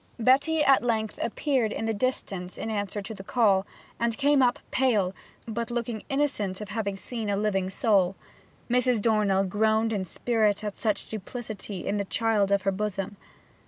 Betty at length appeared in the distance in answer to the call, and came up pale, but looking innocent of having seen a living soul. Mrs. Dornell groaned in spirit at such duplicity in the child of her bosom.